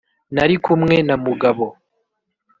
Nali kumwe na Mugabo.